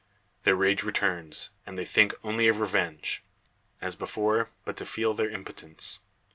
Their rage returns, and they think only of revenge. As before, but to feel their impotence.